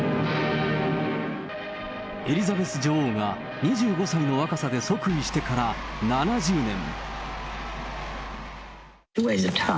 エリザベス女王が２５歳の若さで即位してから７０年。